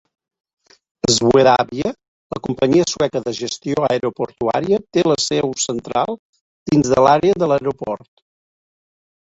Swedavia, la companyia sueca de gestió aeroportuària, té la seu central dins de l'àrea de l'aeroport.